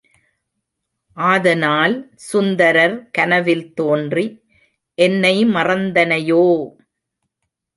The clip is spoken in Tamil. ஆதனால் சுந்தரர் கனவில் தோன்றி, என்னை மறந்தனையோ?